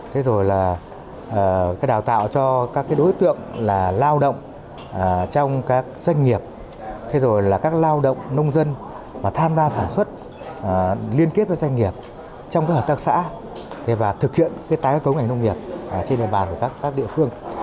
thế rồi là đào tạo cho các đối tượng là lao động trong các doanh nghiệp thế rồi là các lao động nông dân mà tham gia sản xuất liên kết với doanh nghiệp trong các hợp tác xã và thực hiện tái cấu ngành nông nghiệp trên địa bàn của các địa phương